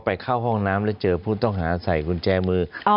เข้าห้องน้ำแล้วเจอผู้ต้องหาใส่กุญแจมือ